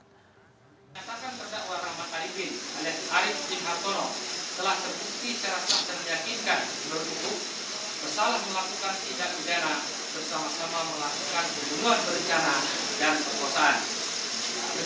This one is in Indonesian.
menyatakan terdakwa ramad arifin arif singkartono telah terbukti secara terjadikan berhubung bersalah melakukan pidana pidana bersama sama melakukan penyelenggaraan berencana dan perkuasaan